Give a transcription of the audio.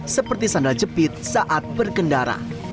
seperti sandal jepit saat berkendara